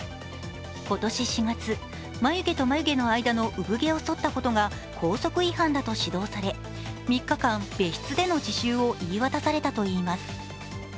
今年４月、眉毛と眉毛の間の産毛をそったことが校則違反だと指導され３日間別室での自習を言い渡されたといいます。